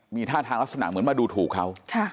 มีท่าทางลักษณะเหมือนมาดูถูกเขา